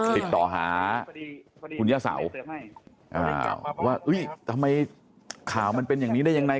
ติดต่อหาคุณย่าเสาว่าทำไมข่าวมันเป็นอย่างนี้ได้ยังไง